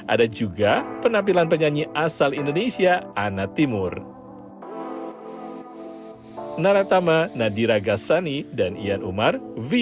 ada juga penampilan penyanyi asal indonesia ana timur